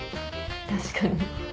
確かに。